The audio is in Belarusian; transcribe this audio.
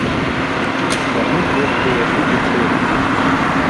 Каму простыя людзі трэба?